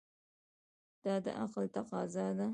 دا د عقل تقاضا ده.